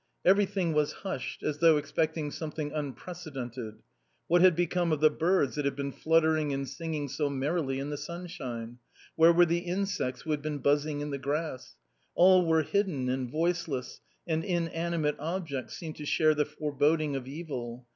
Everything was hushed, as though expecting something unprecedented. What had become of the birds that had been fluttering and singing so merrily in the sunshine ? Where were the insects who had been buzzing in the grass ? All were hidden and voiceless, and inanimate objects seemed to share the foreboding of evil.